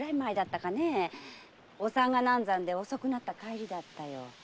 お産が難産で遅くなった帰りだったよ。